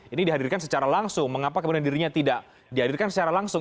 ini dihadirkan secara langsung mengapa kemudian dirinya tidak dihadirkan secara langsung